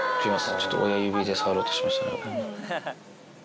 ちょっと親指で触ろうとしましたね。